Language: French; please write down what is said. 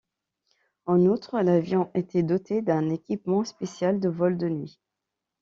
En outre, l'avion était doté d'un équipement spécial de vol de nuit.